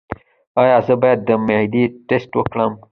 ایا زه باید د معدې ټسټ وکړم؟